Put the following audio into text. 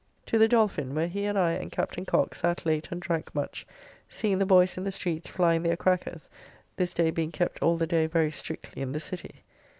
To the Dolphin, where he and I and Captain Cocke sat late and drank much, seeing the boys in the streets flying their crackers, this day being kept all the day very strictly in the City.